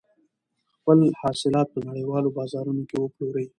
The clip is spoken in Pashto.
خپل حاصلات په نړیوالو بازارونو کې وپلورئ.